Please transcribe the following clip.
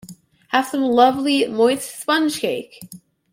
Have some lovely moist sponge cake.